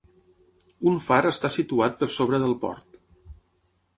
Un far està situat per sobre del port.